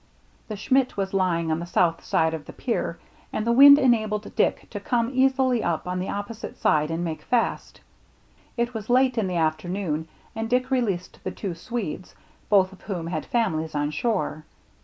The Schmidt was lying on the south side of BURNT COVE 141 the pier ; and the wind enabled Dick to come easily up on the opposite side and make fast. It was late in the afternoon, and Dick released the two Swedes, both of whom had families on shore.